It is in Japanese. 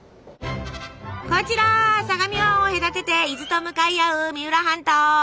こちら相模湾を隔てて伊豆と向かい合う三浦半島。